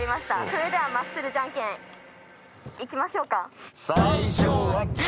それではマッスルじゃんけん行きましょうか。